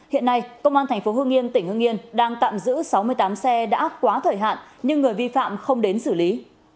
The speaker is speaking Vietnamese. hiện nay công an thành phố hương yên tỉnh hương yên đang tạm giữ sáu mươi tám xe đã quá thời hạn nhưng người vi phạm không đến xử lý